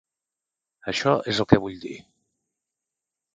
Això és el que vull dir!